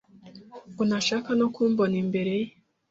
Ngo ntashaka no kumbona imbere ye